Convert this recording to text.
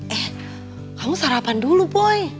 eh kamu sarapan dulu boy